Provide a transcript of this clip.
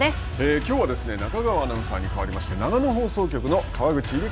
きょうは中川アナウンサーに代わりまして長野放送局の川口由梨香